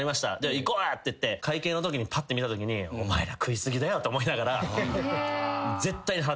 行こうやって言って会計のときにぱって見たときにお前ら食い過ぎだよと思いながら。